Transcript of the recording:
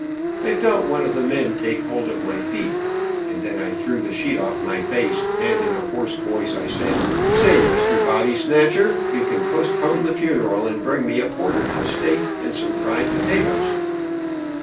I felt one of the men take hold of my feet, and then I threw the sheet off my face and in a hoarse voice I said, "Say, Mr. Body snotcher, you can postpone the funeral and bring me a porter house steak and some fried potatoes."